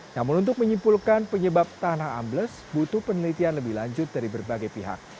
namun untuk menyimpulkan penyebab tanah ambles butuh penelitian lebih lanjut dari berbagai pihak